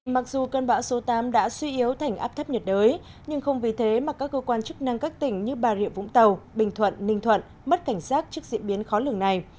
mặc dù cơn bão số tám đã suy yếu thành áp thấp nhiệt đới nhưng không vì thế mà các cơ quan chức năng các tỉnh như bà rịa vũng tàu bình thuận ninh thuận mất cảnh giác trước diễn biến khó lường này